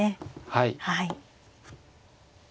はい。